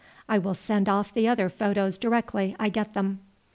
I will send off the other photos directly I get them."